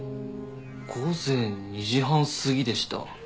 午前２時半過ぎでした。